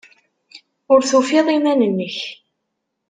Ur tufiḍ iman-nnek.